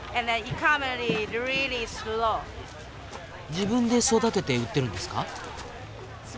自分で育てて売ってるんですか？